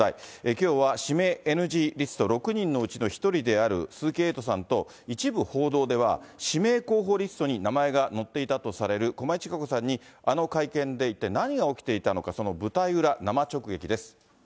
きょうは指名ＮＧリスト６人のうちの１人である鈴木エイトさんと、一部報道では指名候補リストに名前が載っていたとされる駒井千佳子さんに、あの会見で一体何が起きていたのか、その舞台裏、生直撃です。